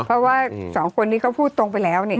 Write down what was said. เพราะว่าสองคนนี้เขาพูดตรงไปแล้วเนี่ย